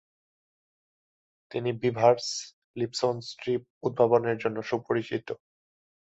তিনি "Beevers Lipson strip" উদ্ভাবনের জন্য সুপরিচিত।